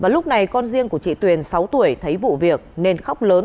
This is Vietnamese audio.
lúc này con riêng của chị tuyền sáu tuổi thấy vụ việc nên khóc lớn